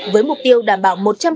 với mục tiêu đảm bảo một trăm linh